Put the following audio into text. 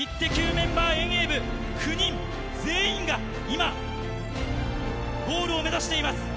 メンバー遠泳部９人全員が今、ゴールを目指しています。